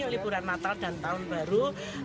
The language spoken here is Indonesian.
liburan natal dan tahun baru